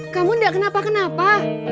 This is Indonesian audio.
kamu enggak kenapa kenapa